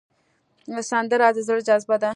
سندره د زړه جذبه ده